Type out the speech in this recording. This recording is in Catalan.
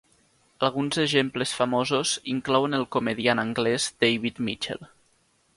Alguns exemples famosos inclouen el comediant anglès David Mitchell.